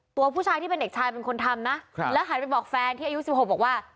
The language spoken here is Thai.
ตัวผู้ชายที่เป็นเด็กชายเป็นคนทำนะแล้วหันไปบอกแฟนที่อายุ๑๖บอกว่า